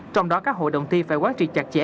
trong đó các hội đồng thi phải quán triệt chặt chẽ